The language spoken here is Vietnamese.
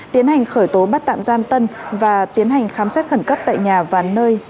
tiến hành khởi tố bắt tạm gian tâm và tiến hành khám xét khẩn cấp tại nhà và nơi